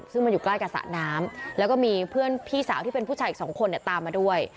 ซึ่งมันอยู่ใกล้กับสระน้ำแล้วก็มีเพื่อนพี่สาวที่เป็นผู้ชายอีกสองคนเนี่ยตามมาด้วย